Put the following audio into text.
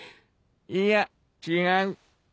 いや違う。